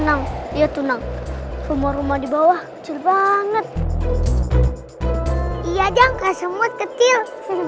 nang ia tunang semua rumah di bawah kecil banget ia jangka semut kecil